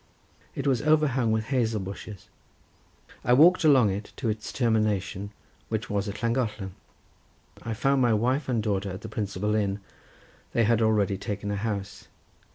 It was overhung with hazel bushes. I walked along it to its termination, which was at Llangollen. I found my wife and daughter at the principal inn. They had already taken a house.